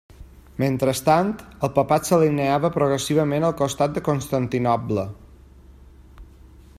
Mentrestant, el papat s'alineava progressivament al costat de Constantinoble.